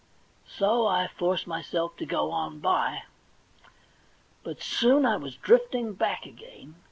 So I forced myself to go on by. But soon I was drifting back again.